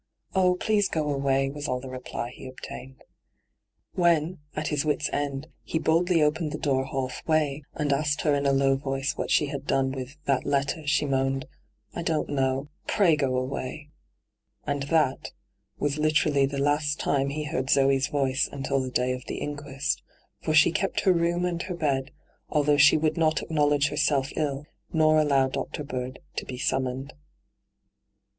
' Oh, please go away,' was all the reply he obtained. When, at his wits' end, he boldly opened the door half way, and asked her in a low voice what she had done with ' that letter,* she moaned :' I don't know. Pray go away.* And that was literally the last time he heard Zee's voice until the day of the inquest, for she kept her room and her bed, although she would not acknowledge herself iU, nor allow Dr. Bird to be summoned. Dr.